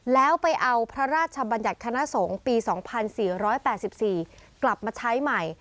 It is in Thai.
แล้วไปเอาพระราชบัญญัติคณะสงฆ์ปี๒๔๘๔กลับมาใช้ใหม่